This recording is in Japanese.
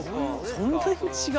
そんなに違う？